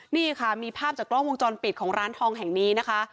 นี่ค่ะมีภาพจากกล้องวงจรปิดของร้านทองแห่งนี้นะคะ